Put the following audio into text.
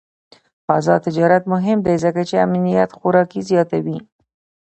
آزاد تجارت مهم دی ځکه چې امنیت خوراکي زیاتوي.